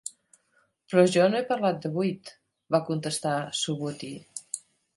"Però jo no he parlat de buit", va contestar en Subhuti.